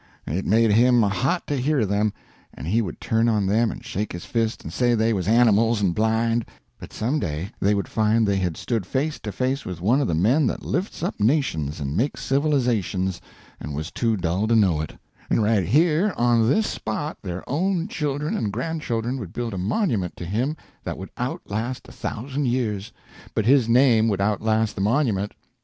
It made him hot to hear them, and he would turn on them and shake his fist and say they was animals and blind, but some day they would find they had stood face to face with one of the men that lifts up nations and makes civilizations, and was too dull to know it; and right here on this spot their own children and grandchildren would build a monument to him that would outlast a thousand years, but his name would outlast the monument.